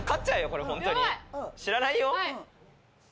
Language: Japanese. これホントに知らないよ。